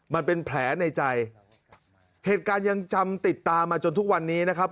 มันเป็นแผลในใจเหตุการณ์ยังจำติดตามมาจนทุกวันนี้นะครับ